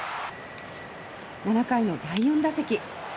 ７回の第４打席。